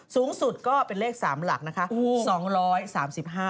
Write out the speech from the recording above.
สูงสุดก็เป็นเลข๓หลักนะคะ